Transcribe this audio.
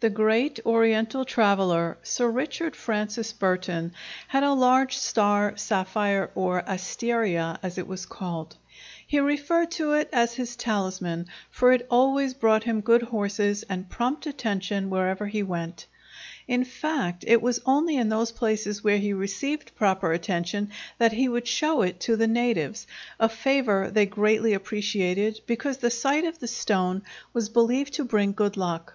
The great Oriental traveller, Sir Richard Francis Burton, had a large star sapphire or asteria, as it was called. He referred to it as his talisman, for it always brought him good horses and prompt attention wherever he went; in fact, it was only in those places where he received proper attention that he would show it to the natives, a favor they greatly appreciated, because the sight of the stone was believed to bring good luck.